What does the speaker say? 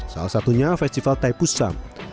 salah satunya festival taipusam